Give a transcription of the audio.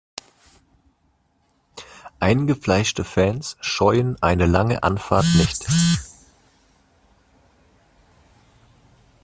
Eingefleischte Fans scheuen eine lange Anfahrt nicht.